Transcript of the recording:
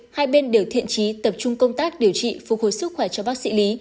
hai bên đều thiện trí tập trung công tác điều trị phục hồi sức khỏe cho bác sĩ lý